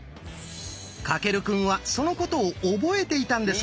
翔くんはそのことを覚えていたんです。